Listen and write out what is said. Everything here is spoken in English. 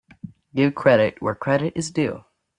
Give credit where credit is due.